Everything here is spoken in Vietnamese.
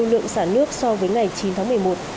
lượng xả nước so với ngày chín tháng một mươi một